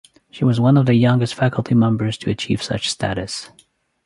She was one of the youngest faculty members to achieve such status.